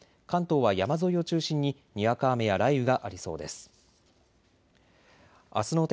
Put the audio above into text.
関東は山沿いを中心ににわか雨や雷雨がありそうです。